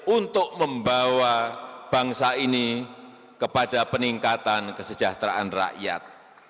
untuk membawa bangsa ini kepada peningkatan kesejahteraan rakyat